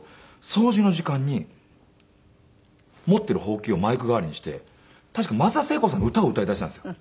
掃除の時間に持っているほうきをマイク代わりにして確か松田聖子さんの歌を歌い出したんですよ。